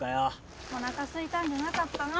おなかすいたんじゃなかったの？